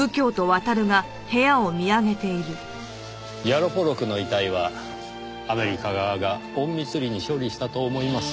ヤロポロクの遺体はアメリカ側が隠密裏に処理したと思います。